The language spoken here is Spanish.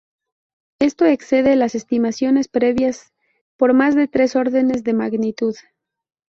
Esto excede las estimaciones previas por más de tres órdenes de magnitud.